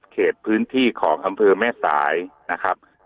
เขตพื้นที่ของอำเภอแม่สายนะครับ